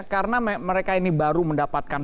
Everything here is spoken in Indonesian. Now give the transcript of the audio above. karena mereka ini baru mendapatkan